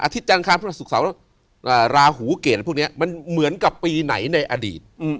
อาทิตย์จันทร์ค้าพฤศจรรย์สุขสาวราหูเกรดพวกนี้มันเหมือนกับปีไหนในอดีต